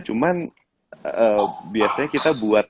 cuman biasanya kita buat